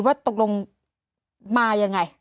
ว่าตกลงมาอย่างไร